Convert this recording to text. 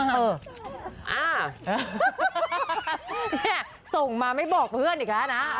เนี่ยส่งมาไม่บอกเพื่อนอีกแล้วนะ